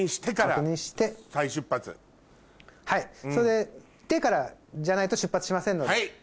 はいそれでからじゃないと出発しませんので。